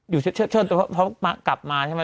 อยู่เชิดเพราะกลับมาใช่ไหม